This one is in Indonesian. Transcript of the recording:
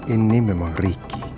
ini memang ricky